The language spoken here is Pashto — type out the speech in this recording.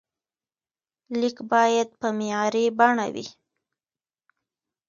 لیک باید په معیاري بڼه وي.